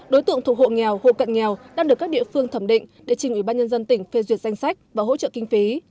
đối tượng thuộc hộ nghèo hộ cận nghèo đang được các địa phương thẩm định để trình ủy ban nhân dân tỉnh phê duyệt danh sách và hỗ trợ kinh phí